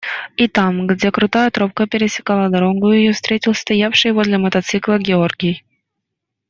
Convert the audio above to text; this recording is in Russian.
И там, где крутая тропка пересекала дорогу, ее встретил стоявший возле мотоцикла Георгий.